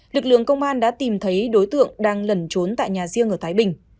lực lượng công an đã tìm thấy đối tượng đang lẩn trốn tại nhà riêng ở thái bình